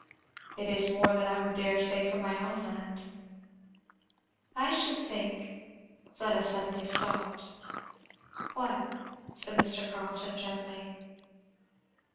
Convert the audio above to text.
"It is more than I would dare say for my own land." "I should think " Fleda suddenly stopped. "What? " said Mr. Carleton gently.